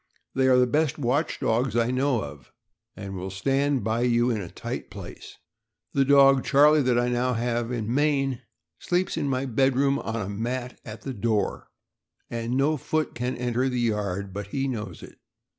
They are the best watch dogs I know of, and will stand by you in a tight place. The dog Charlie, that I have now in Maine, sleeps in my bed room on a mat at the door, and no foot can enter the yard but he knows it.